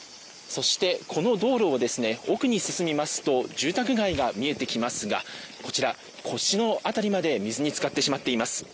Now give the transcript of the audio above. そして、この道路を奥に進みますと住宅街が見えてきますがこちら、腰の辺りまで水につかってしまっています。